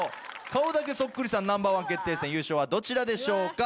顔だけそっくりさんＮｏ．１決定戦優勝はどちらでしょうか。